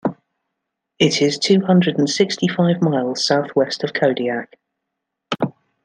It is two hundred and sixty-five miles southwest of Kodiak.